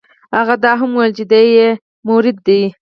هغه دا هم وویل چې دی یې مرید دی.